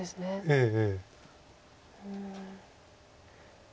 ええ。